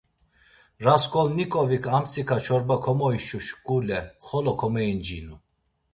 Rasǩolnikovik amtsika çorba komoişu şuǩule xolo komeincinu.